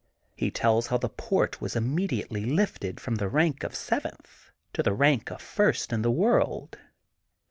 He tells how the port was immediately lifted from the rank of seventh to the rank of first in the world.